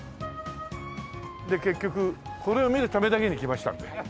で結局これを見るためだけに来ましたんで。